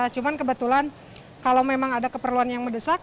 cuman kebetulan kalau memang ada keperluan yang medesak